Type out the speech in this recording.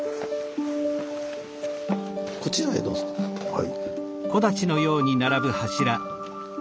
はい。